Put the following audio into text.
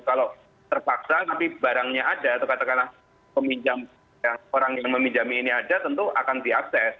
kalau terpaksa tapi barangnya ada atau katakanlah peminjam ya orang yang meminjam ini aja tentu akan diakses